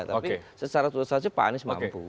tapi secara substansi pak anies mampu